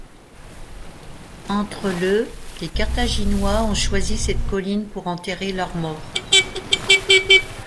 Entre le les Carthaginois ont choisi cette colline pour enterrer leurs morts.